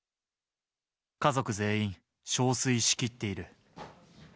家族全員、しょうすいしきっている。